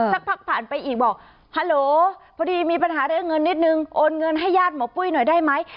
สักพักผ่านไปอีกบอกฮัลโหลพอดีมีปัญหาเรื่องเงินนิดนึงโอนเงินให้ญาติหมอปุ้ยหน่อยได้ไหม